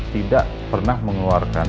tidak pernah mengeluarkan